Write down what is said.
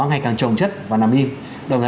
ngày càng trồng chất và nằm im đồng thời